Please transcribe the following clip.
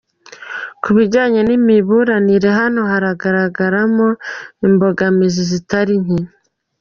Ku bijyanye n’imiburanire naho haragaragaramo imbogamizi zitari nke: